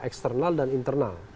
eksternal dan internal